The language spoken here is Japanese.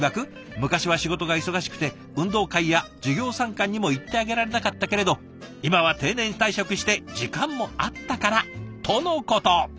「昔は仕事が忙しくて運動会や授業参観にも行ってあげられなかったけれど今は定年退職して時間もあったから」とのこと。